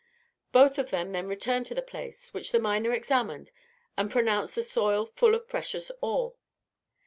Both of them then returned to the place, which the miner examined, and pronounced the soil full of precious ore.